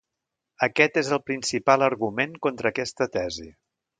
Aquest és el principal argument contra aquesta tesi.